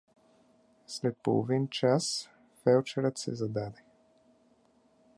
След половин час фелдшерът се зададе.